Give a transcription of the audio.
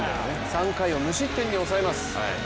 ３回を無失点に抑えます。